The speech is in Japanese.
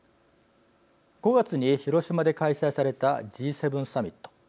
５月に広島で開催されたＧ７サミット。